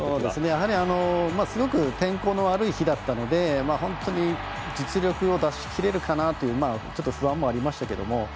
やはり、すごく天候の悪い日だったので本当に実力を出しきれるかなというちょっと不安もありましたけども。